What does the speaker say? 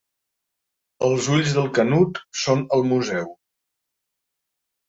Els ulls del Canut són al museu.